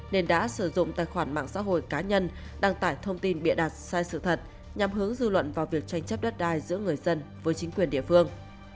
nên đã sử dụng tài khoản mạng xã hội cá nhân đăng tải thông tin bịa đặt sai sự thật nhằm hướng dư luận vào việc tranh chấp đất đai giữa người dân với chính quyền địa phương